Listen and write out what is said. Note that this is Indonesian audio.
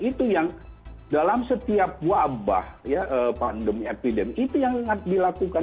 itu yang dalam setiap wabah ya pandemi epidemi itu yang dilakukan